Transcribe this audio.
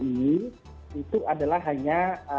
ini itu adalah hanya